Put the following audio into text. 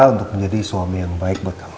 untuk menjadi suami yang baik buat kamu